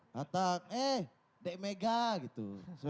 datang eh dek mega gitu